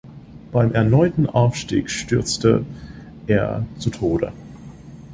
Beim erneuten Aufstieg stürzte er zu Tode.